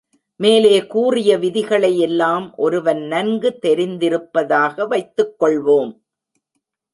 மேலே கூறிய விதிகளை யெல்லாம் ஒருவன் நன்கு தெரிந்திருப்பதாக வைத்துக் கொள்வோம்.